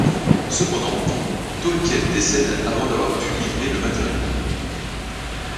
Cependant, Tolkien décède avant d'avoir pu livrer le matériau.